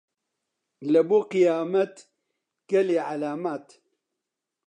لەبۆ قیامەت گەلێ عەلامات